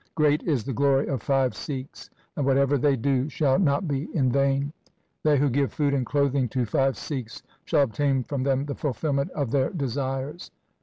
Great is the glory of five Sikhs, and whatever they do shall not be in vain. They who give food and clothing to five Sikhs, shall obtain from them the fulfilment of their desires.'